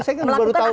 saya kan baru tahu